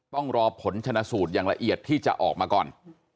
ต้องรอผลชนะสูตรอย่างละเอียดที่จะออกมาก่อน